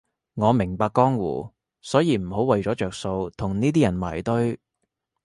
我明白江湖，所以唔好為咗着數同呢啲人埋堆